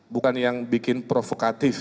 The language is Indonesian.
bukan yang bikin provokatif